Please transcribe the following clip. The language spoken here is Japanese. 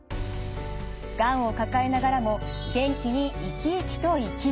がんを抱えながらも元気に生き生きと生きる。